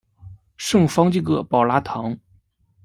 圣方济各保拉堂。